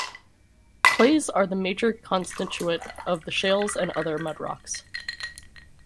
Clays are the major constituent of shales and other mudrocks.